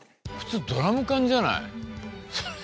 普通ドラム缶じゃない。